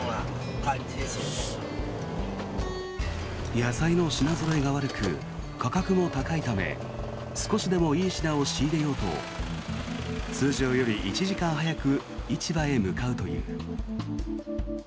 野菜の品ぞろえが悪く価格も高いため少しでもいい品を仕入れようと通常より１時間早く市場へ向かうという。